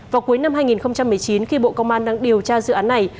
vào cuối năm hai nghìn một mươi chín khi bộ công an đang điều tra dự án này